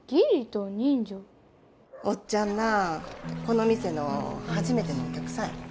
おっちゃんなこの店の初めてのお客さんやねん。